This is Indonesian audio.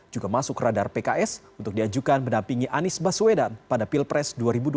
juga masuk radar pks untuk diajukan menampingi anies baswedan pada pilpres dua ribu dua puluh